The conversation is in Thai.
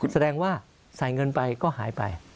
แสดงว่าใส่เงินไปก็หายไป